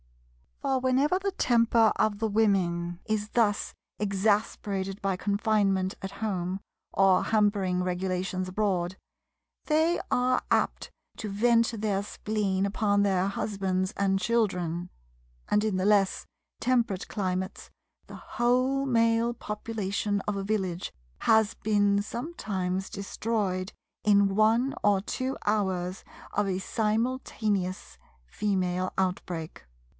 For whenever the temper of the Women is thus exasperated by confinement at home or hampering regulations abroad, they are apt to vent their spleen upon their husbands and children; and in the less temperate climates the whole male population of a village has been sometimes destroyed in one or two hours of a simultaneous female outbreak.